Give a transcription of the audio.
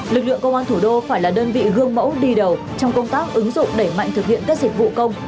lực lượng công an thủ đô phải là đơn vị gương mẫu đi đầu trong công tác ứng dụng đẩy mạnh thực hiện các dịch vụ công